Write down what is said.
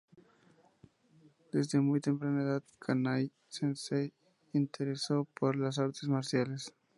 Desde muy temprana edad, Kanai Sensei se interesó por las artes marciales.